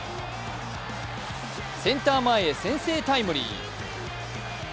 センター前へ先制タイムリー。